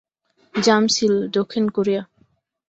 যামসিল, দক্ষিণ কোরিয়া।